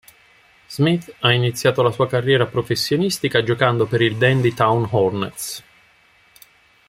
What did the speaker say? Smith ha iniziato la sua carriera professionistica giocando per il Dandy Town Hornets.